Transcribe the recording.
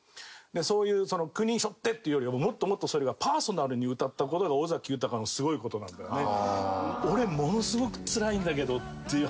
そういう国を背負っていうよりはもっともっとそれをパーソナルに歌った事が尾崎豊のすごい事なんだよね。